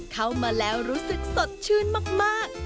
เข้ามาแล้วรู้สึกสดชื่นมาก